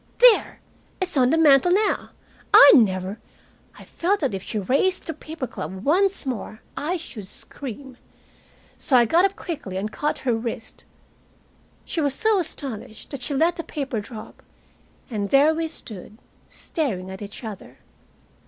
There, it's on the mantel now. I never " I felt that if she raised the paper club once more I should scream. So I got up quickly and caught her wrist. She was so astonished that she let the paper drop, and there we stood, staring at each other.